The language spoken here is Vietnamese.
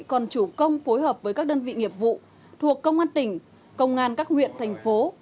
còn chủ công phối hợp với các đơn vị nghiệp vụ thuộc công an tỉnh công an các huyện thành phố